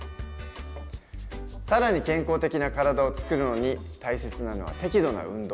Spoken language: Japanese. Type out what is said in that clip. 更に健康的な体をつくるのに大切なのは適度な運動。